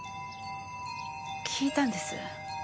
聞いたんです。